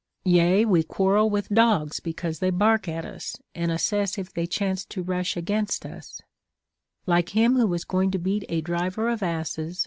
Yea, we quarrel with dogs because they bark at us, and asses if they chance to rush against us ; like him who was going to beat a driver of asses, but * Soph.